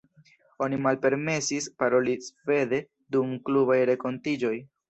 Oni malpermesis paroli svede dum klubaj renkontiĝoj.